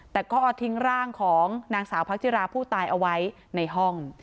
แต่ก็ทิ้งร่างของนางสาวพักจิราผู้ตายเอาไว้ในห้อง